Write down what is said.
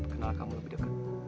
kenal kamu lebih dekat